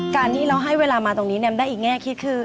การที่เราให้เวลามาตรงนี้ได้อีกแง่คิดคือ